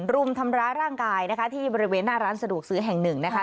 รุมทำร้ายร่างกายนะคะที่บริเวณหน้าร้านสะดวกซื้อแห่งหนึ่งนะคะ